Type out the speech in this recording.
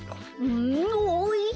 うんおいしい！